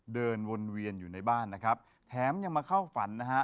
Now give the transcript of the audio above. เดินวนเวียนอยู่ในบ้านนะครับแถมยังมาเข้าฝันนะฮะ